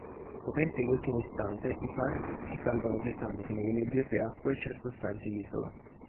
Scoperti all'ultimo istante, i pards si salvano gettandosi nelle nebbiose acque circostanti l'isola.